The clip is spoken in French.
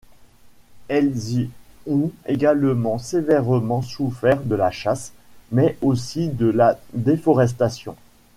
Elles y ont également sévèrement souffert de la chasse, mais aussi de la déforestation.